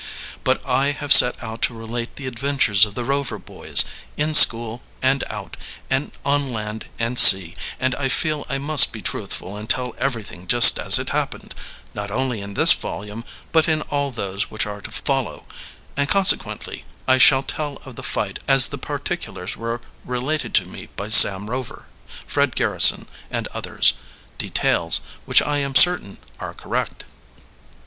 But I have set out to relate the adventures of the Rover boys, in school and out, and on land and sea, and I feel I must be truthful and tell everything just as it happened, not only in this volume, but in all those which are to follow; and, consequently, I shall tell of the fight as the particulars were related to me by Sam Rover, Fred Garrison and others details which I am certain are correct.